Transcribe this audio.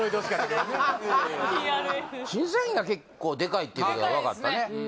リアル審査員が結構デカいってことが分かったね